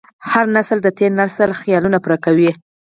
هر نسل د تېر نسل خیالونه پوره کوي.